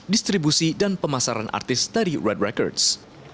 distribusi dan pemasaran artis dari red records